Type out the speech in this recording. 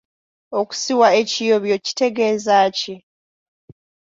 Okusiwa ekiyobyo kitegeeza ki?